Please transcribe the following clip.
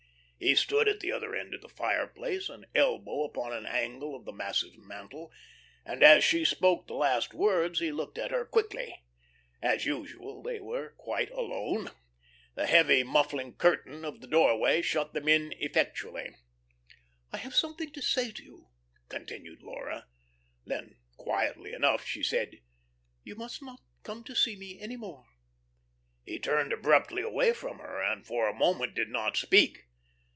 He stood at the other end of the fireplace, an elbow upon an angle of the massive mantel, and as she spoke the last words he looked at her quickly. As usual, they were quite alone. The heavy, muffling curtain of the doorway shut them in effectually. "I have something to say to you," continued Laura. Then, quietly enough, she said: "You must not come to see me any more." He turned abruptly away from her, and for a moment did not speak.